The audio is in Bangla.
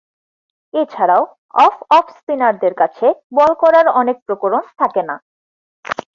এছাড়াও অফ অফ স্পিনারদের কাছে বল করার অনেক প্রকরণ থাকেনা।